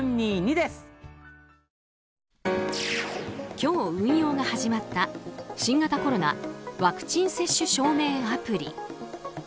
今日、運用が始まった新型コロナワクチン接種証明アプリ。